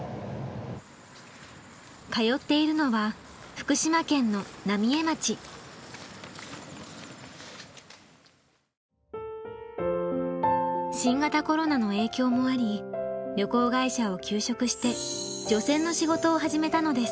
通っているのは新型コロナの影響もあり旅行会社を休職して除染の仕事を始めたのです。